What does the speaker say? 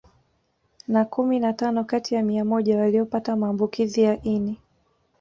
Na kumi na tano kati ya mia moja waliopata maambukizi ya ini